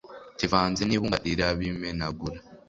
kivanze n ibumba rirabimenagura